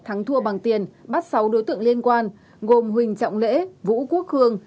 thắng thua bằng tiền bắt sáu đối tượng liên quan gồm huỳnh trọng lễ vũ quốc khương